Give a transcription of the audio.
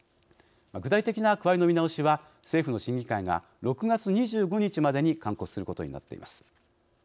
具体的な区割りの見直しは政府の審議会が６月２５日までに勧告することになっています。